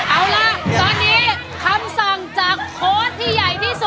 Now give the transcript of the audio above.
เอาล่ะตอนนี้คำสั่งจากโค้ดที่ใหญ่ที่สุด